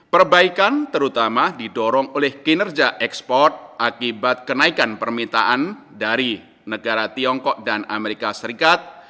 perbaikan terutama didorong oleh kinerja ekspor akibat kenaikan permintaan dari negara tiongkok dan amerika serikat